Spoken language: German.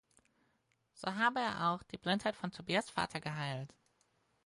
So habe er auch die Blindheit von Tobias’ Vater geheilt.